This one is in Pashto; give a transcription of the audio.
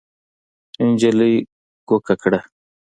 نجلۍ کوکه کړه.